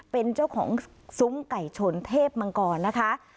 เป็นเจ้าของซุ้มไก่ชนเทพมังกรนะคะ